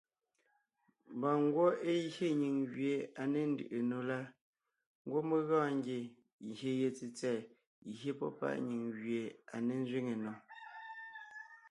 Mba ngwɔ́ é gye nyìŋ gẅie à ne ńdʉʼʉ nò la, ngwɔ́ mé gɔɔn ngie ngyè ye tsètsɛ̀ɛ gye pɔ́ páʼ nyìŋ gẅie à ne ńzẅíŋe nò.